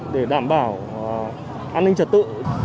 để đảm bảo an ninh trật tự